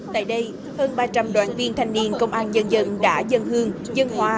tại đây hơn ba trăm linh đoàn viên thanh niên công an nhân dân đã dân hương dân hoa